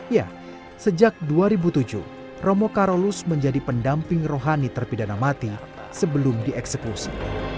ya sejak dua ribu tujuh romo karolus menjadi pendamping rohani terpidana mati sebelum dieksekusi